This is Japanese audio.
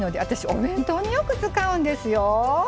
お弁当によく使うんですよ。